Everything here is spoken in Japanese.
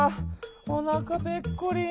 おなかぺっこり。